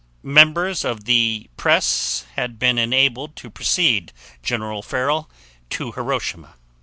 Members of the press had been enabled to precede General Farrell to Hiroshima.